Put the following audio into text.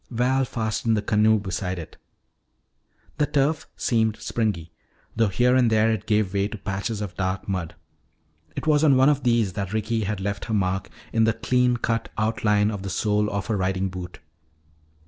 Val fastened the canoe beside it. The turf seemed springy, though here and there it gave way to patches of dark mud. It was on one of these that Ricky had left her mark in the clean cut outline of the sole of her riding boot.